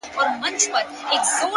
مهرباني د زړونو ژبه ده!.